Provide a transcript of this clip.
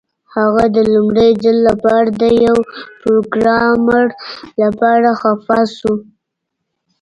هغه د لومړي ځل لپاره د یو پروګرامر لپاره خفه شو